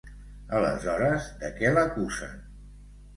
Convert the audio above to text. Aleshores, de què l'acusen?